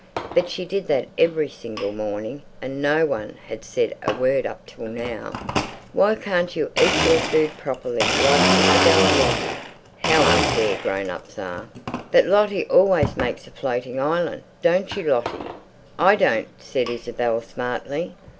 But she did that every single morning, and no one had said a word up till now. "Why can't you eat your food properly like Isabel and Lottie?" How unfair grown ups are! "But Lottie always makes a floating island, don't you, Lottie?" "I don't," said Isabel smartly.